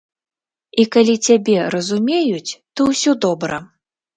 І калі цябе разумеюць, то ўсё добра.